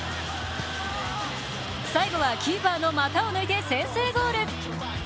最後はキーパーの股を抜いて先制ゴール。